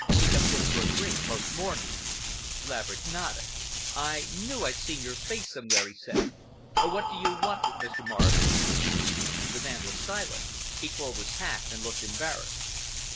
He comes in for a drink most mornings." Laverick nodded. "I knew I'd seen your face somewhere," he said. "What do you want with Mr. Morrison?" The man was silent. He twirled his hat and looked embarrassed.